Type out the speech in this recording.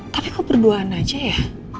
tapi kok berduaan aja ya